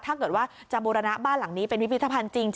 ถ้าเกิดว่าจะบูรณะบ้านหลังนี้เป็นพิพิธภัณฑ์จริง